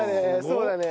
そうだね。